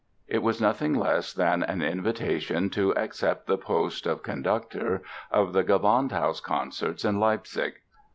It was nothing less than an invitation to accept the post of conductor of the Gewandhaus concerts in Leipzig.